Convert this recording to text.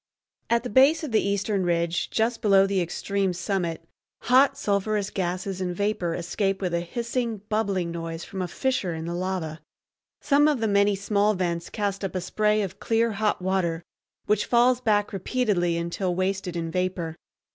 At the base of the eastern ridge, just below the extreme summit, hot sulphurous gases and vapor escape with a hissing, bubbling noise from a fissure in the lava. Some of the many small vents cast up a spray of clear hot water, which falls back repeatedly until wasted in vapor.